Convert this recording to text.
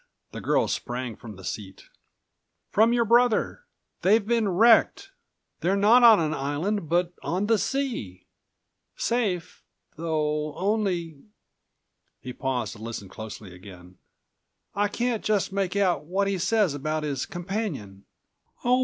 the girl sprang from the seat. "From your brother. They've been wrecked. They're not on an island but on the sea. Safe, though, only—" he paused to listen closely again—"I can't just make out what he says about his companion." "Oh!